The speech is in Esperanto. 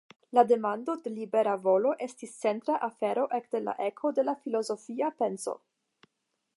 La demando de libera volo estis centra afero ekde la eko de filozofia penso.